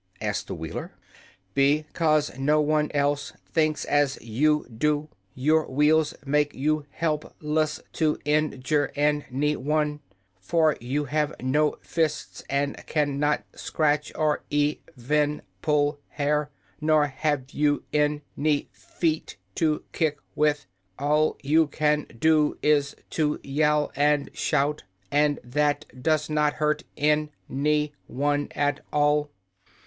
asked the Wheeler. "Be cause no one else thinks as you do. Your wheels make you help less to in jure an y one. For you have no fists and can not scratch or e ven pull hair. Nor have you an y feet to kick with. All you can do is to yell and shout, and that does not hurt an y one at all."